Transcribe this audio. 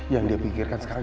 yang dia pikirkan sekarang